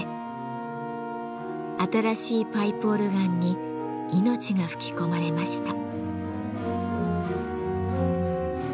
新しいパイプオルガンに命が吹き込まれました。